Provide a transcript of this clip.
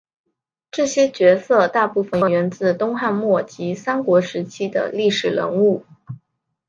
这些角色大部份源自东汉末及三国时期的历史人物。